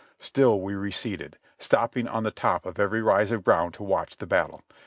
Still we receded, stopping on the top of every rise of ground to watch the battle.